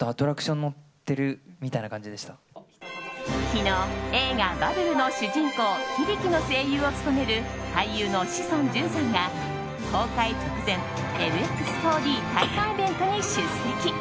昨日、映画「バブル」の主人公ヒビキの声優を務める俳優の志尊淳さんが公開直前ＭＸ４Ｄ体感イベントに出席。